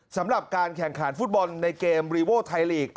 สำหรับการแข่งขันฟุตบอลในเกมรีโวไทยลีก